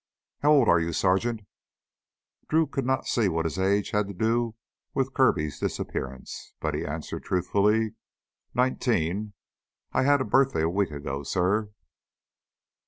"How old are you, Sergeant?" Drew could not see what his age had to do with Kirby's disappearance, but he answered truthfully: "Nineteen I had a birthday a week ago, suh."